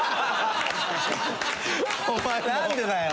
お前なんでだよ！